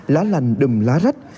lá lành đùm lá rách